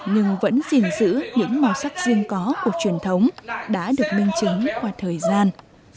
nhưng vẫn gìn giữ những màu sắc riêng có của truyền thống đã được minh chứng qua thời gian